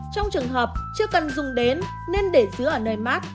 trong trường hợp chưa cần dùng đến nên để dứa ở nơi mát